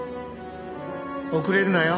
「遅れるなよ」